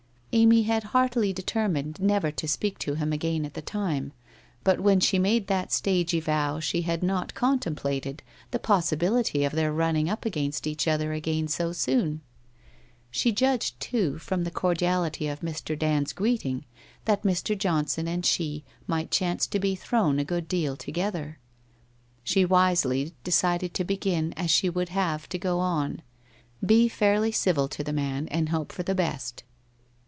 Amy had heartily determined never to speak to him again at the time, but when she made that stagey vow she had not contemplated the possibility of their running up against each other again so soon. Slie judged, too, from the cor diality of Mr. Dand's greeting that Mr. Johnson and she might chance to be thrown a good deal together. She wisely decided to begin as she would have to go on, be fairly civil to the man and hope for the best.